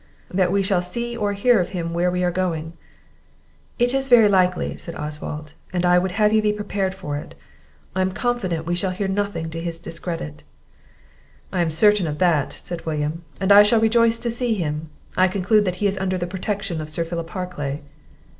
"That we shall see or hear of him where we are going." "It is very likely," said Oswald; "and I would have you be prepared for it; I am confident we shall hear nothing to his discredit." "I am certain of that," said William, "and I shall rejoice to see him; I conclude that he is under the protection of Sir Philip Harclay."